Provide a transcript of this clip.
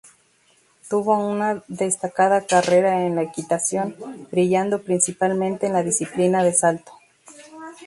Tuvo una destacada carrera en la equitación, brillando principalmente en la disciplina de salto.